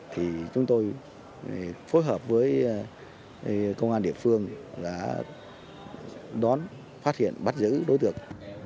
thì chúng tôi phối hợp với công an địa phương đã đón phát hiện bắt giữ đối tượng